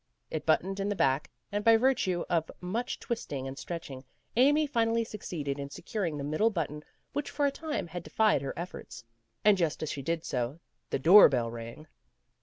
It but toned in the back, and by virtue of much twist ing and stretching Amy finally succeeded in se curing the middle button which for a time had defied her efforts. And just as she did so, the door bell rang.